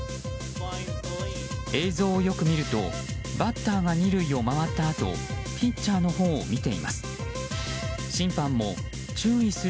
映像をよく見るとバッターが２塁を回ったあとピッチャーのほうを見ています。